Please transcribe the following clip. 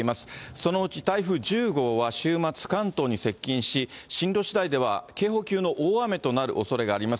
そのうち台風１０号は週末、関東に接近し、進路しだいでは警報級の大雨となるおそれがあります。